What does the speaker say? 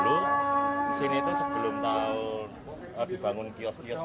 di sini itu sebelum tahun dibangun kiosk kiosk